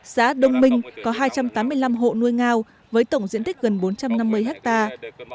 xã đông minh có hai trăm tám mươi năm hộ nuôi ngao với tổng diện tích gần bốn trăm năm mươi hectare